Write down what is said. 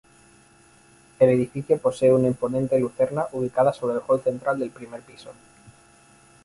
El edificio posee una imponente lucerna ubicada sobre el hall central del primer piso.